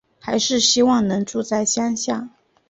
还是希望能住在乡下